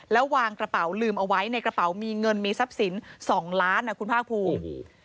แล้ววางกระเป๋าลืมเอาไว้ในกระเป๋ามีเงินมีทรัพย์สิน๒ล้านนะคุณภาคภูมิ